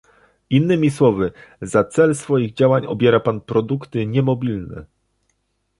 Innymi słowy, za cel swoich działań obiera pan produkty niemobilne